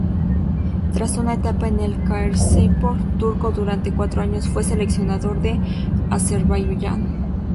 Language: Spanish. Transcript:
Tras una etapa en el Kayserispor turco, durante cuatro años fue seleccionador de Azerbaiyán.